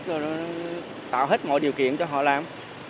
rồi tạo hết mọi điều kiện cho họ làm